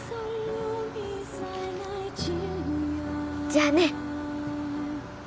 じゃあね。